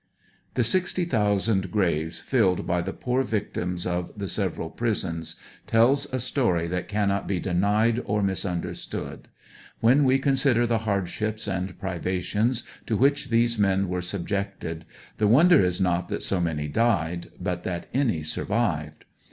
The sixty thousand graves filled by the poor victims of the several prisons, tells a story that cannot be denied or misunderstood. When we consider the hardships and privations to which these men were subjected, the wonder is not that so many died, but that any sur vived.